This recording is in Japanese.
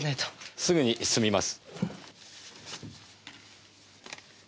すぐに済みます。